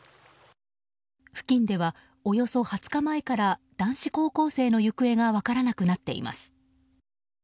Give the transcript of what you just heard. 付近ではおよそ２０日前から男子高校生の行方が分からなくなっています。